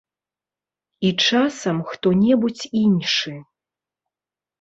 І, часам, хто-небудзь іншы.